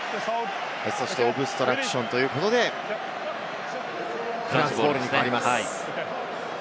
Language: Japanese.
オブストラクションということでフランスボールに変わります。